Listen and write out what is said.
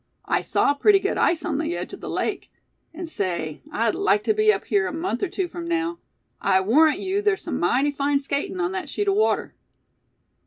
I saw pretty good ice on the edge of the lake. And say, I'd like to be up here a month or two from now. I warrant you there's some mighty fine skating on that sheet of water."